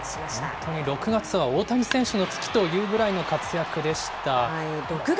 本当に６月は大谷選手の月というぐらいの活躍でした。